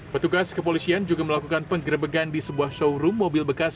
petugas kepolisian juga melakukan penggerebegan di sebuah showroom mobil bekas